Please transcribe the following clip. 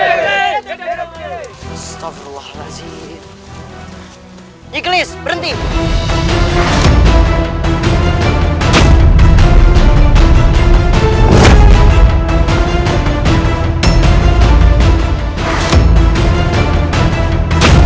untuk kira atau menghitung serarak ulause